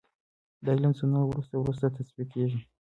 د علم زونونه وروسته وروسته تثبیت کیږي.